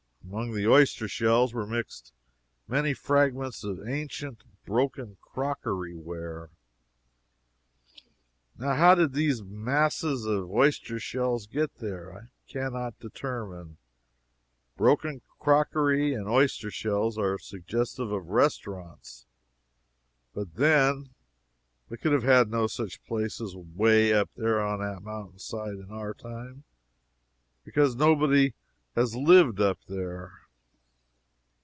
Among the oyster shells were mixed many fragments of ancient, broken crockery ware. Now how did those masses of oyster shells get there? I can not determine. Broken crockery and oyster shells are suggestive of restaurants but then they could have had no such places away up there on that mountain side in our time, because nobody has lived up there.